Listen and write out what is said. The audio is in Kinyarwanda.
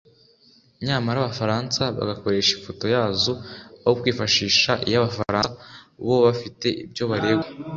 nyamara abafaransa bagakoresha ifoto yazo aho kwifashisha iy’Abafaransa bo bafite ibyo baregwa